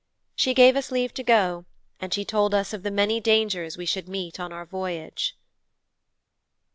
She gave us leave to go and she told us of the many dangers we should meet on our voyage.'